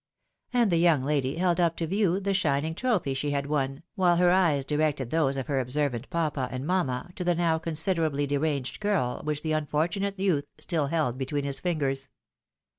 " And the young lady held up to view the shining trophy she had won, while her eyes directed those of her observant papa and mamma to the now considerably deranged curl which the un fortunate youth still held between his fingers.